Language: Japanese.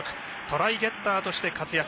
トライゲッターとして活躍。